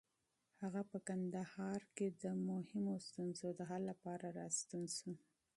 هغه په کندهار کې د مهمو ستونزو د حل لپاره راستون شو.